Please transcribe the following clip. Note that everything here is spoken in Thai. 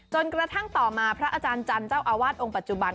จนกระทั่งต่อมาพระอาจารย์จันทร์เจ้าอาวาสองค์ปัจจุบัน